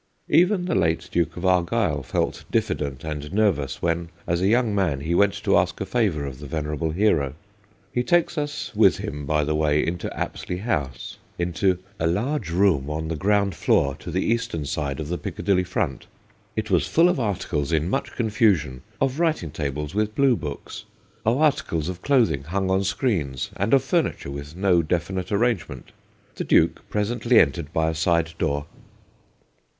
Even the late Duke of Argyll felt diffi dent and nervous when, as a young man, he went to ask a favour of the venerable hero. He takes us with him, by the way, into Apsley House, into 'a large room on the ground floor, to the eastern side of the Picca dilly front. It was full of articles in much confusion of writing tables with blue books, of articles of clothing hung on screens, and of furniture with no definite arrangement. The Duke presently entered by a side door.